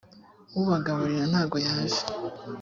ubagaburira ntago yaje.